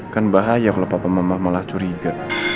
kan bahaya kalau papa mama malah curiga